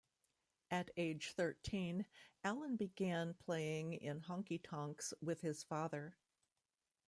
At age thirteen, Allan began playing in honky tonks with his father.